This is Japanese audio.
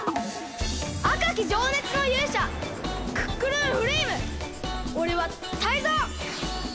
あかきじょうねつのゆうしゃクックルンフレイムおれはタイゾウ！